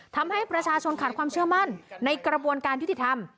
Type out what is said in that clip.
ทำให้ประชาชนขาดความเชื่อมั่นในกระบวนการยุติธรรม